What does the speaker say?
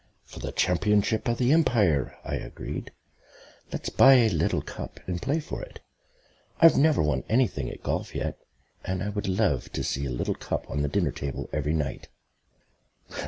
"For the championship of the Empire," I agreed. "Let's buy a little cup and play for it. I've never won anything at golf yet, and I should love to see a little cup on the dinner table every night."